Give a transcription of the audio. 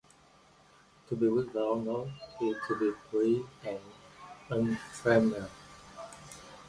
To be without knots is to be free and untrammelled.